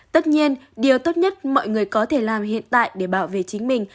tất nhiên điều tốt nhất mọi người có thể làm hiện tại để bảo vệ chính mình